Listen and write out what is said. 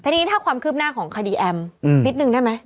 ทีนี้ถ้าความคืบหน้าของคดีแอมนิดนึงได้ไหม